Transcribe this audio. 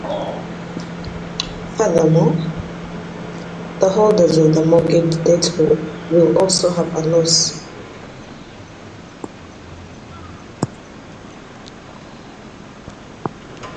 Furthermore, the holders of the mortgage debt will also have a loss.